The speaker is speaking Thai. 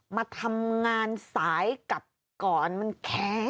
มาทำงานสายกลับก่อนมันแค้น